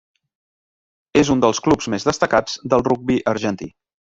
És un dels clubs més destacats del rugbi argentí.